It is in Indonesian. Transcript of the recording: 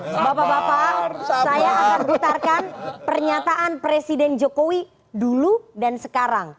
bapak bapak saya akan putarkan pernyataan presiden jokowi dulu dan sekarang